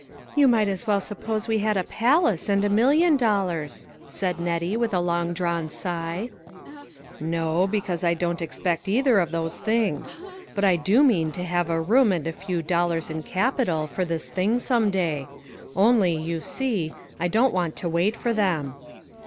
" You might as well suppose we had a palace, and a million dollars," said Nettie, with a long drawn sigh. " No, because I don't expect either of those things ; but I do mean to have a room and a few dollars in capital for this thing some day; only, you see, I don't want to wait for them."